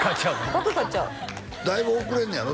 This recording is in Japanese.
バッグ買っちゃうだいぶ遅れんねやろ？